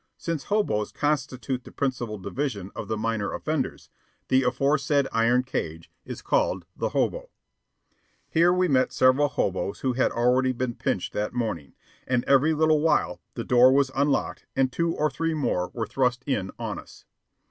Since hoboes constitute the principal division of the minor offenders, the aforesaid iron cage is called the Hobo. Here we met several hoboes who had already been pinched that morning, and every little while the door was unlocked and two or three more were thrust in on us.